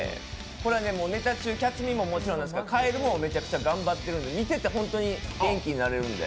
これはネタ中キャツミもそうなんですけどカエルもめちゃくちゃ頑張ってるので、見てて本当に元気になれるんで。